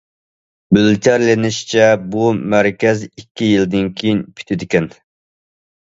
مۆلچەرلىنىشىچە، بۇ مەركەز ئىككى يىلدىن كېيىن پۈتىدىكەن.